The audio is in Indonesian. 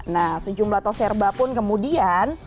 nah sejumlah tos serba pun kemudian